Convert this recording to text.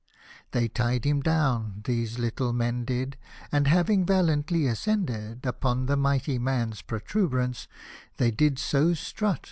They tied him down — these httle men did— And having vahantly ascended Upon the Mighty Man's protuberance, They did so strut